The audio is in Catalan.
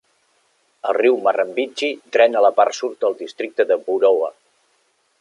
El riu Murrumbidgee drena la part sud del districte de Boorowa.